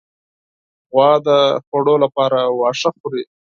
غوا د خوړو لپاره واښه خوري.